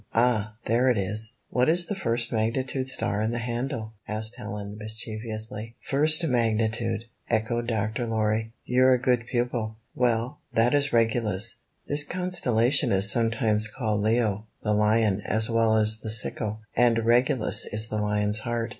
Ah! there it is!" "What is the first magnitude star in the handle?" asked Helen, mischievously. "First magnitude!" echoed Dr. Lorry. "You're a good pupil. Well, that is Regulus. This constellation is sometimes called Leo, the Lion, as well as the Sickle, And Regulus is the lion's heart."